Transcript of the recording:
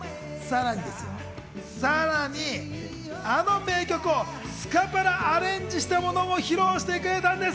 さらにあの名曲をスカパラアレンジしたものも披露してくれたんです。